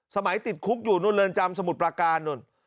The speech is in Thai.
ติดคุกอยู่นู่นเรือนจำสมุทรประการนู่น